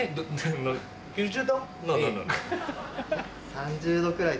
３０度くらい。